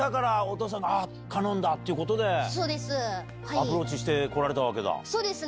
アプローチしてこられたわけそうですね。